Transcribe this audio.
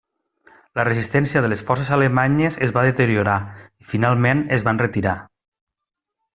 La resistència de les forces alemanyes es va deteriorar i finalment es van retirar.